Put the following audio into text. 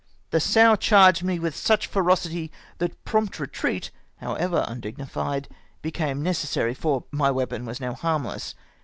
The sow charged me with such ferocity that prompt retreat, however undignified, became necessary, for my weapon was now harmless.